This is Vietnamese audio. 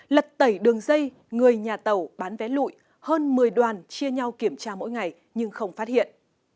lật tẩy đường dây người nhà tàu bán vé lụi hơn một mươi đoàn chia nhau kiểm tra mỗi ngày nhưng không phát hiện